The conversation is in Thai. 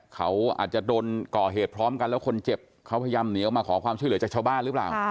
เขาอาจจะโดนก่อเหตุพร้อมกันแล้วคนเจ็บเขาพยายามหนีออกมาขอความช่วยเหลือจากชาวบ้านหรือเปล่า